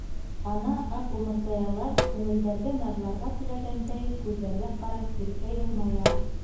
Ана, аҡ умырзаялар күңелдәрҙе наҙларға теләгәндәй, күҙҙәргә ҡарап иркә йылмая.